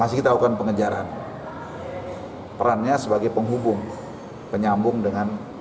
masih kita lakukan pengejaran perannya sebagai penghubung penyambung dengan